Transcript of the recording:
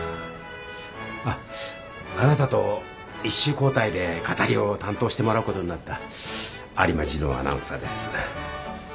あっあなたと１週交代で語りを担当してもらう事になった有馬次郎アナウンサーです。